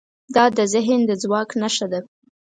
دا د ذهن د ځواک نښه ده.